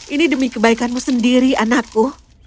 ini demi kebaikanmu sendiri anakku